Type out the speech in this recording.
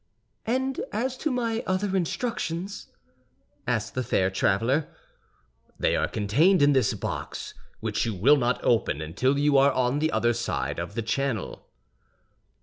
"And as to my other instructions?" asked the fair traveler. "They are contained in this box, which you will not open until you are on the other side of the Channel."